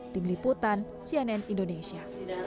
tim liputan cnn indonesia